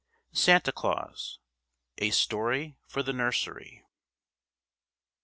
Santa Claus. A STORY FOR THE NURSERY.